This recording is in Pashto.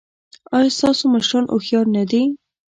ایا ستاسو مشران هوښیار نه دي؟